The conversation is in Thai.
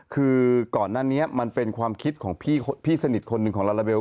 คือก่อนหน้านี้มันเป็นความคิดของพี่สนิทคนหนึ่งของลาลาเบล